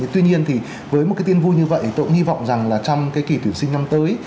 tuy nhiên với một tin vui như vậy tôi cũng hy vọng rằng trong kỳ tuyển sinh năm tới